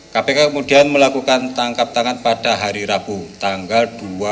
kpk kemudian melakukan tangkap tangan pada hari rabu tanggal dua puluh